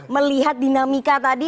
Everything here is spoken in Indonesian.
melihat dinamika tadi